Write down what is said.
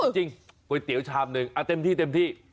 จริงก๋วยเตี๋ยวชามนึงอ่ะเต็มที่